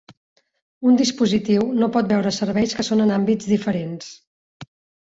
Un dispositiu no pot veure serveis que són en àmbits diferents.